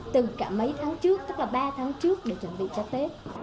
từ cả mấy tháng trước tức là ba tháng trước để chuẩn bị cho tết